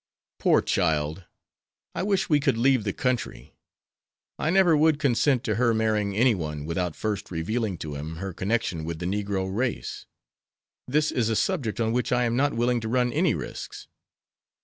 '" "Poor child! I wish we could leave the country. I never would consent to her marrying any one without first revealing to him her connection with the negro race. This is a subject on which I am not willing to run any risks."